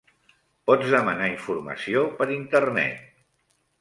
Pots demanar informació per Internet.